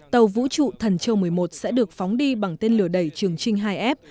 tàu vũ trụ thần châu một mươi một sẽ được phóng đi bằng tên lửa đẩy trường trinh hai f